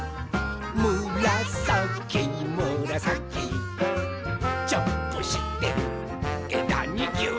「むらさきむらさき」「ジャンプしてえだにぎゅう！」